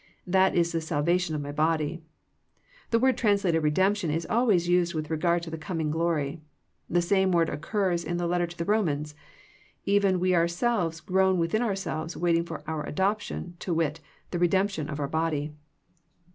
That is the salvation of my body. The word translated redemption is always used with regard to the coming glory. The same word occurs in the letter to the Eomans, " Even we ourselves groan within ourselves, waiting for our adoption, to wit, the redemption of our body."